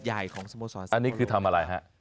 อันนี้คือทำอะไรฮะ